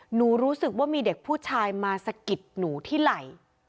รู้สึกว่ามีเด็กผู้ชายมาสะกิดหนูที่ไหล่